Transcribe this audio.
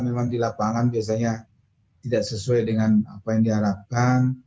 memang di lapangan biasanya tidak sesuai dengan apa yang diharapkan